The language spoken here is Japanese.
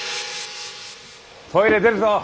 トイレ出るぞ。